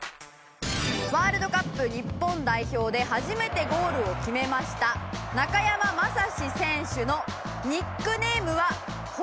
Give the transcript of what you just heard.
「ワールドカップ日本代表で初めてゴールを決めました中山雅史選手のニックネームはホニャララ中山」